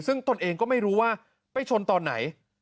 ซึ่งตนเองก็ไม่รู้ว่าไปชนตอนไหน